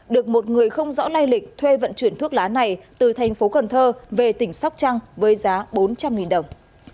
được một người không rõ lai lịch thuê vận chuyển thuốc lá này từ thành phố cần thơ về tỉnh sóc trăng với giá bốn trăm linh đồng